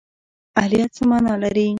اهلیت څه مانا لري؟